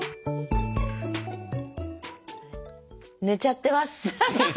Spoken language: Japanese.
寝ちゃってます。